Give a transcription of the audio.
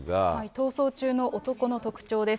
逃走中の男の特徴です。